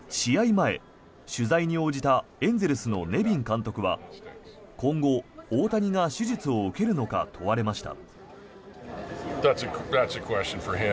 前、取材に応じたエンゼルスのネビン監督は今後、大谷が手術を受けるのか問われました。